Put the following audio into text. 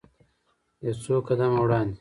یو څو قدمه وړاندې.